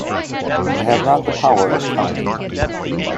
I have not the power of counting.